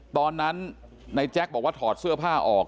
ตอนนั้นในแจ็คบอกว่าถอดเสื้อผ้าออก